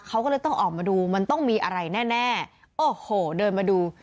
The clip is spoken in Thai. เขาก็เลยต้องออกมาดูมันต้องมีอะไรแน่แน่โอ้โหเดินมาดู